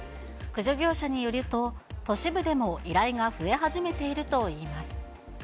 駆除業者によると、都市部でも依頼が増え始めているといいます。